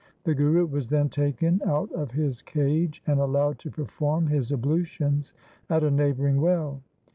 The Guru was then taken out of his cage, and allowed to perform his ablutions at a neighbouring well